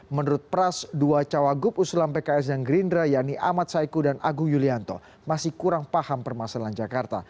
menurut pras dua cawagup usulam pks yang gerindra yani amat saiku dan agung yulianto masih kurang paham permasalahan jakarta